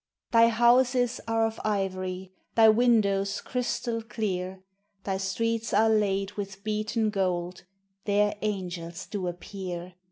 Thy houses are of ivory, Thy windows crystal clear, Thy streets are laid with beaten gold There angels do appear.